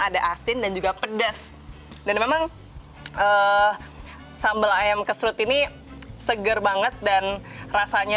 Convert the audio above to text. ada asin dan juga pedas dan memang sambal ayam kesrut ini seger banget dan rasanya